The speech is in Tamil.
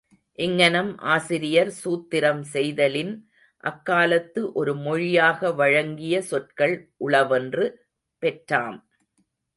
இங்ஙனம் ஆசிரியர் சூத்திரம் செய்தலின், அக்காலத்து ஒரு மொழியாக வழங்கிய சொற்கள் உளவென்று பெற்றாம்.